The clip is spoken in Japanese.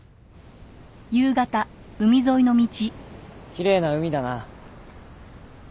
きれいな海だな。